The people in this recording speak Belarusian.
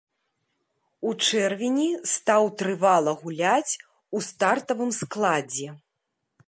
У чэрвені стаў трывала гуляць у стартавым складзе.